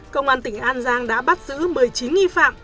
công an tỉnh an giang đã bắt giữ một mươi chín nghi phạm